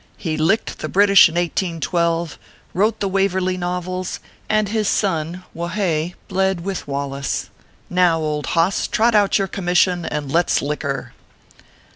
He licked the British in 1812, wrote the Waverly Novels, and his son Whahae bled with Wallace. Now, old hoss, trot out your com mission and let s liquor."